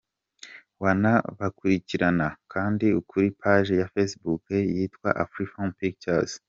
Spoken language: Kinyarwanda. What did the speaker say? Wanabakurikirana kandi kuri page ya Facebook yitwaAfrifame Pictures.